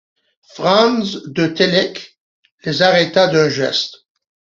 Franz de Télek les arrêta d’un geste.